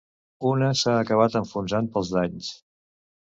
Una s’ha acabat enfonsant pels danys.